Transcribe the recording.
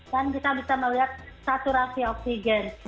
dan kita bisa melihat saturasi oksigen